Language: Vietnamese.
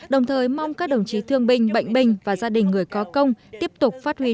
đồng thời mong các đồng chí thương binh bệnh binh và gia đình người có công tiếp tục phát huy